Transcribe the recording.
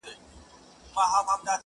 • او په هغه ژبه خپلو اورېدونکو ,